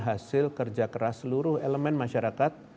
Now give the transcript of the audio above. hasil kerja keras seluruh elemen masyarakat